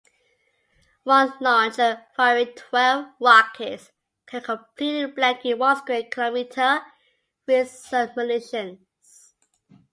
One launcher firing twelve rockets can completely blanket one square kilometer with submunitions.